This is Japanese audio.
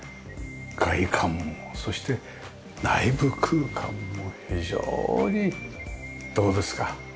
外観もそして内部空間も非常にどうですか？